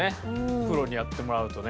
プロにやってもらうとね。